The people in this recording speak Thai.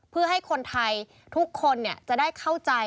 เพื่อให้คนไทยทุกคนจะได้เข้าใจ